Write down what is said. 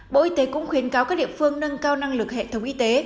bộ y tế cũng khuyến cáo các địa phương nâng cao năng lực hệ thống y tế